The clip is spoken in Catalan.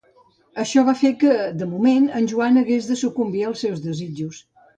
Això va fer que, de moment, en Joan hagués de sucumbir als seus desitjos.